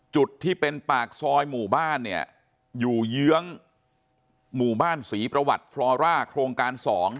จุดที่เป็นปากซอยหมู่บ้านเนี่ยอยู่เยื้องหมู่บ้านศรีประวัติฟลอร่าโครงการ๒